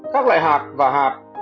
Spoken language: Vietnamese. các loại hạt và hạt